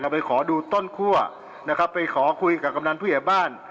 ไปขอดูต้นคั่วนะครับไปขอคุยกับกำนันผู้ใหญ่บ้าน